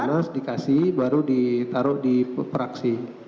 ke mas anas dikasih baru ditaruh di praksi